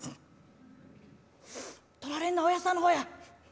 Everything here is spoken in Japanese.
「取られんのはおやっさんの方や」。